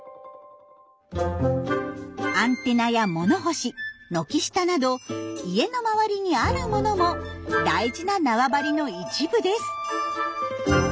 アンテナや物干し軒下など家の周りにあるものも大事な縄張りの一部です。